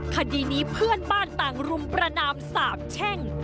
คดีนี้เพื่อนบ้านต่างรุมประนามสาบแช่ง